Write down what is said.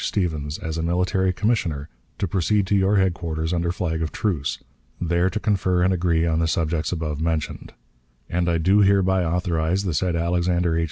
Stephens, as a military commissioner to proceed to your headquarters under flag of truce, there to confer and agree on the subjects above mentioned; and I do hereby authorise the said Alexander H.